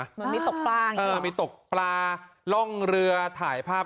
เหมือนมีตกปลาอย่างนี้หรอเออมีตกปลาร่องเรือถ่ายภาพ